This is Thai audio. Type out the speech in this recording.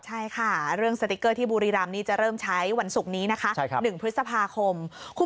ใช่ค่ะเรื่องสติ๊กเกอร์ที่บุรีรำนี่จะเริ่มใช้วันศุกร์นี้นะคะ๑พฤษภาคม